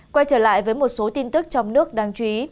quay trở lại với một số tin tức trong nước đáng chú ý